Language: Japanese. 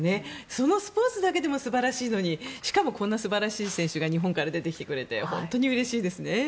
そのスポーツだけでも素晴らしいのにしかも、こんな素晴らしい選手が日本から出てきてくれて本当にうれしいですね。